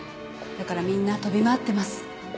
だからみんな飛び回ってます。